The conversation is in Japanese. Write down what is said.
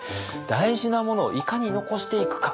大事なものをいかに残していくか。